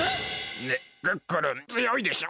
ねっクックルンつよいでしょ？